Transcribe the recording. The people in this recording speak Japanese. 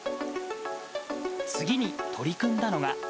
次に、取り組んだのが。